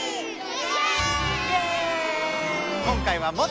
イエーイ！